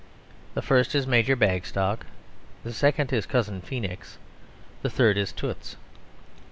The first is Major Bagstock, the second is Cousin Feenix, the third is Toots.